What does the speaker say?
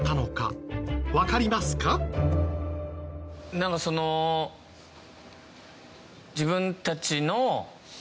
なんかその自分たちの。